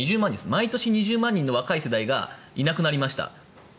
毎年２０万人の若い世代がいなくなりました。